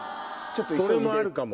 それもあるかも！